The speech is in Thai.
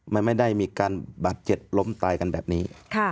มันไม่ได้มีการบาดเจ็บล้มตายกันแบบนี้